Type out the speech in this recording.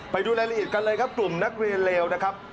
ไปดูรายละเอียดกันเลยครับกลุ่มนักเรียนเลวนะครับ